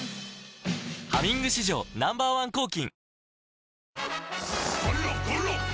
「ハミング」史上 Ｎｏ．１ 抗菌